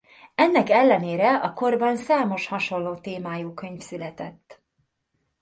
Ennek ellenére a korban számos hasonló témájú könyv született.